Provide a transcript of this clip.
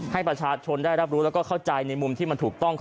ให้ประชาชนได้รับรู้แล้วก็เข้าใจในมุมที่มันถูกต้อง